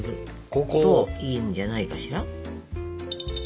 ここ？といいんじゃないかしら？